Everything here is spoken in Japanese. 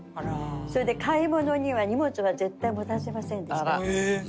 それで買い物には荷物は絶対持たせませんでした。